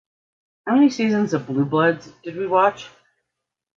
How many seasons of Blue Bloods did we watched?